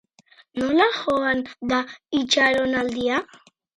Nola joan da itxaronaldia?